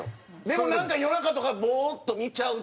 でもなんか夜中とかぼーっと見ちゃうというか。